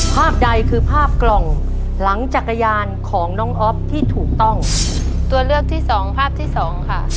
ภาพใดคือภาพกล่องหลังจักรยานของน้องอ๊อฟที่ถูกต้องตัวเลือกที่สองภาพที่สองค่ะ